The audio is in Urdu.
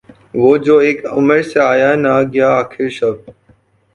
وہ جو اک عمر سے آیا نہ گیا آخر شب